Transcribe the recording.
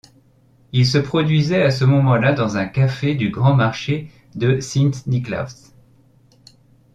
Il se produisait à ce moment-là dans un café du grand marché de Sint-Niklaas.